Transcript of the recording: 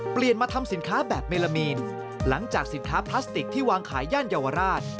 เปลี่ยนมาทำสินค้าแบบเมลามีนหลังจากสินค้าพลาสติกที่วางขายย่านเยาวราช